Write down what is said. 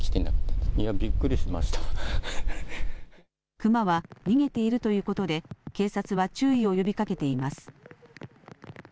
熊は逃げているということで、警察は注意を呼びかけています。